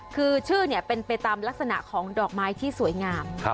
คือชื่อเป็นไปตามลักษณะของดอกไม้ที่สวยงาม